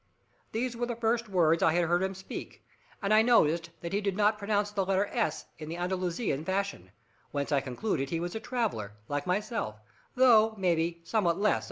These were the first words I had heard him speak, and I noticed that he did not pronounce the letter s* in the Andalusian fashion, whence I concluded he was a traveller, like myself, though, maybe, somewhat less of an archaeologist.